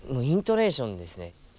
イントネーションですね。